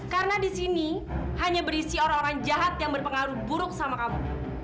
karena di sini hanya berisi orang orang jahat yang berpengaruh buruk sama kamu